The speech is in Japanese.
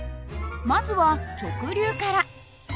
まずは直流から。